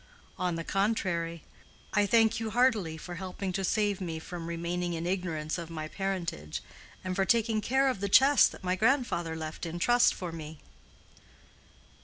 "On the contrary. I thank you heartily for helping to save me from remaining in ignorance of my parentage, and for taking care of the chest that my grandfather left in trust for me."